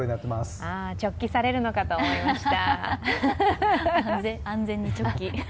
ああ、直帰されるのかと思いました。